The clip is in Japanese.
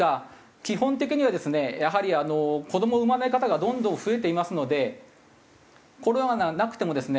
基本的にはですねやはり子どもを産まない方がどんどん増えていますのでコロナがなくてもですね